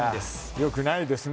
よくないですね。